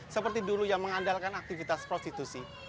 seperti dulu yang mengandalkan aktivitas prostitusi